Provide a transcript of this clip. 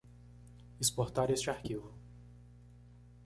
Exportar este arquivo.